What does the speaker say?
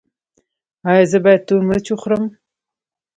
ایا زه باید تور مرچ وخورم؟